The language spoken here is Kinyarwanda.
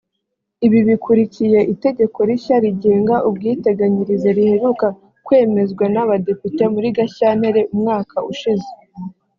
Ibi bikurikiye itegeko rishya rigenga ubwiteganyirize riheruka kwemezwa n’abadepite muri Gashyantare umwaka ushize